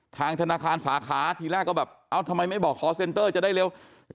ทางธนาคารสาขาทีแรกก็แบบเอ้าทำไมไม่บอกคอร์เซ็นเตอร์จะได้เร็ว